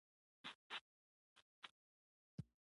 زغم د غم